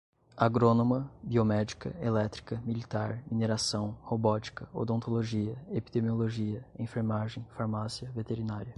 agrônoma, biomédica, elétrica, militar, mineração, robótica, odontologia, epidemiologia, enfermagem, farmácia, veterinária